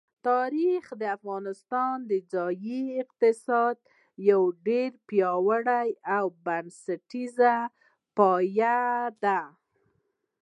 تاریخ د افغانستان د ځایي اقتصادونو یو ډېر پیاوړی او بنسټیز پایایه دی.